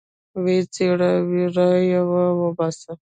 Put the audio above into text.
ويې څيره راويې باسه.